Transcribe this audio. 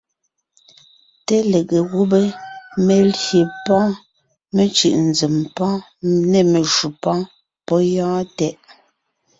Té lege gùbé (melyè pɔ́ mecʉ̀ʼ nzèm) nê meshǔ... pɔ́ gyɔ́ɔn tɛʼ!